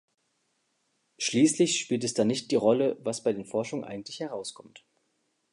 Schließlich spielt es dann nicht die Rolle, was bei den Forschungen eigentlich herauskommt.